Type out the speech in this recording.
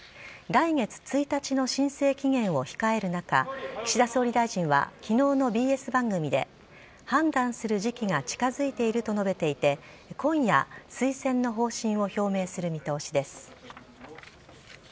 来月１日の申請期限を控える中岸田総理大臣は昨日のＢＳ番組で判断する時期が近づいていると述べていて今夜、推薦の方針を表明する見通しです。